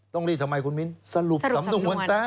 รีดทำไมคุณมิ้นสรุปสำนวนซะ